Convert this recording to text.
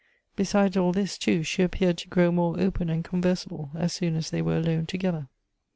Besides all this, too, she appeared to grow more open and conversable as soon as they were alone together.